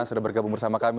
sudah bergabung bersama kami